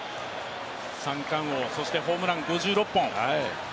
三冠王そしてホームラン５６本。